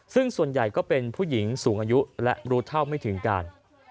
ซึ่งส่วนใหญ่ก็เป็นผู้หญิงสูงอายุและรู้เท่าไม่ถึงการ